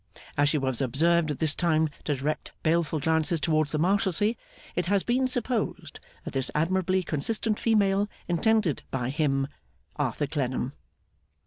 As she was observed at this time to direct baleful glances towards the Marshalsea, it has been supposed that this admirably consistent female intended by 'him,' Arthur Clennam.